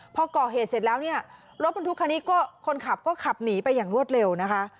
พอก่อเหตุเสร็จแล้วเนี่ยรถบรรทุกคันนี้ก็คนขับก็ขับหนีไปอย่างรวดเร็วนะคะ